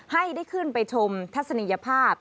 ให้ได้ขึ้นไปชมทัศนียภาพ